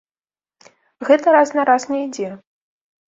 Гэта раз на раз не ідзе.